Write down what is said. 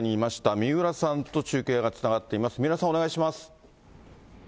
三浦さん、お願いします。